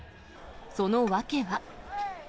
その訳は。